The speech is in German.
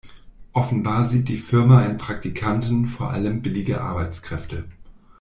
Offenbar sieht die Firma in Praktikanten vor allem billige Arbeitskräfte.